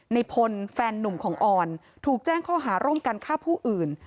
ในพลแฟนนุ่มของออนถูกแจ้งข้อหาร่วมกันฆ่าผู้อื่น